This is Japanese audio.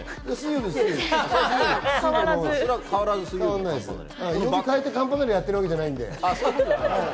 曜日変えてカンパネラやってるわけじゃないんで。